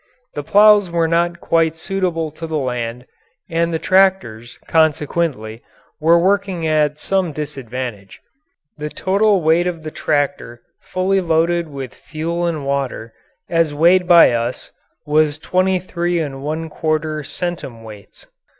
The ploughs were not quite suitable to the land, and the tractors, consequently, were working at some disadvantage. The total weight of the tractor fully loaded with fuel and water, as weighed by us, was 23 1/4 cwts.